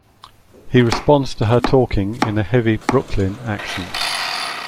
He responds to her talking in a heavy "Brooklyn" accent.